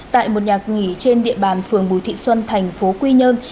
tại một nhà nghỉ trên địa bàn phường bùi thị xuân thành phố quy nhơn